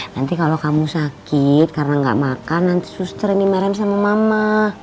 nanti kalau kamu sakit karena gak makan nanti sus treni meren sama mama